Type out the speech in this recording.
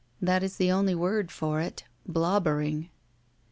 That is the only word for it — ^blobbering.